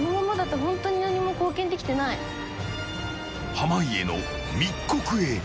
濱家の密告へ。